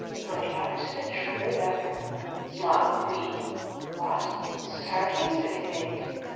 "Good luck to a true lover!" smiled the Queen. "What! starting, silly maid?